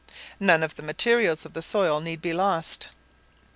None of the materials of the soil need be lost.